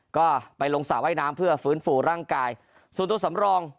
ก็ไปลงสระว่ายน้ำเพื่อฟื้นฟูร่างกายส่วนตัวสำรอง